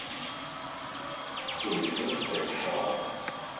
Хыжьыр къепщагъ.